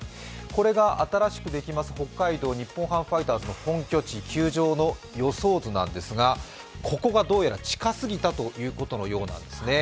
これが新しくできる北海道日本ハムファイターズの本拠地、球場の予想図なんですが、ここがどうやら近すぎたということのようなんですね。